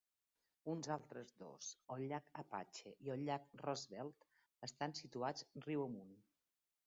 Uns altres dos, el Llac Apache i el Llac Roosevelt, estan situats riu amunt.